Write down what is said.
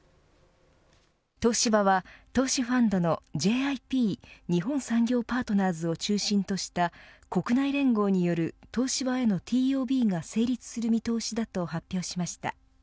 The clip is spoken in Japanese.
東芝は投資ファンドのＪＩＰ＝日本産業パートナーズを中心とした国内連合による東芝へのＴＯＢが成立する見通しだと発表しました。